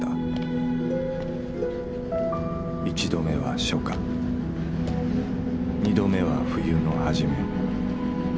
１度目は初夏２度目は冬の初め。